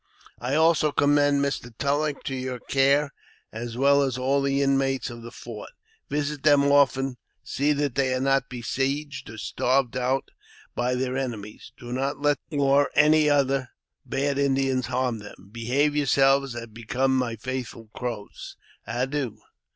" I also commend Mr. Tulleck to your care, as well as all the inmates of the fort. Visit them often, and see that they are not besieged or starved out by their enemies. Do not let the Black Feet or any other bad Indians harm them. Behave yourselves as becomes my faithful Crows. Adieu